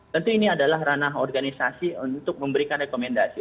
tentu ini adalah ranah organisasi untuk memberikan rekomendasi